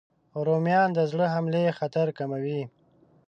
رومیان د زړه حملې خطر کموي